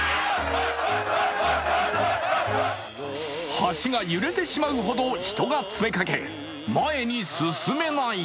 橋が揺れてしまうほど人が詰めかけ前に進めない。